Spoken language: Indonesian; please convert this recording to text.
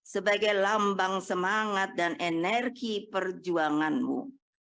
sebagai lambang semangat dan energi perjuanganmu